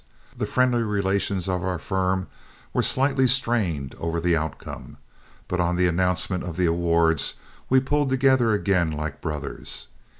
The friendly relations of our firm were slightly strained over the outcome, but on the announcement of the awards we pulled together again like brothers.